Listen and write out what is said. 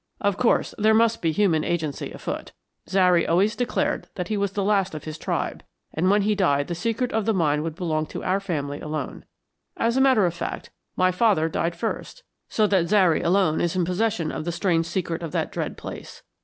"Of course there must be human agency afoot. Zary always declared that he was the last of his tribe, and when he died the secret of the mine would belong to our family alone. As a matter of fact, my father died first, so that Zary alone is in possession of the strange secret of that dread place.